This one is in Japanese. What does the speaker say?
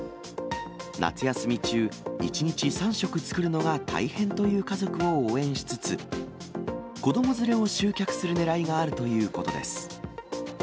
夏休み中、１日３食作るのが大変という家族を応援しつつ、子ども連れを集客するねらいがあるということです。